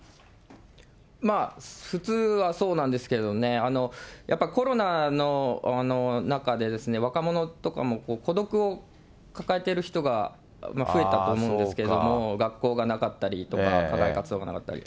まあ普通はそうなんですけどね、やっぱコロナの中で、若者とかも孤独を抱えてる人が増えたと思うんですけども、学校がなかったりとか、課外活動がなかったり。